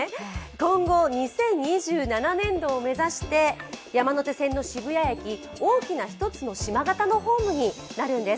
今後２０２７年度を目指して山手線の渋谷駅、大きな一つの島型のホームになるんです。